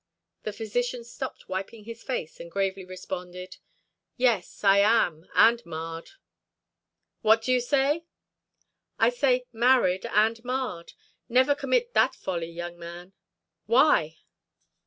The physician stopped wiping his face, and gravely responded: "Yes, I am, and marred." "What do you say?" "I say, married and marred. Never commit that folly, young man." "Why?"